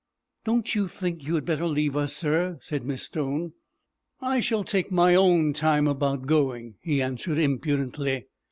"Don't you think you had better leave us, sir?" said Miss Stone. "I shall take my own time about going," he answered, impudently.